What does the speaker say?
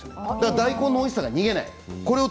大根のおいしさが逃げない。